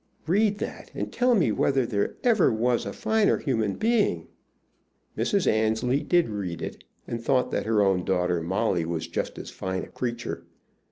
"Read that, and tell me whether there ever was a finer human being!" Mrs. Annesley did read it, and thought that her own daughter Molly was just as fine a creature.